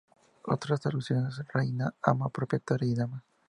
Otras traducciones: reina, ama, propietaria, dama.